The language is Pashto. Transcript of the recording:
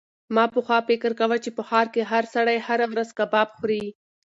ما پخوا فکر کاوه چې په ښار کې هر سړی هره ورځ کباب خوري.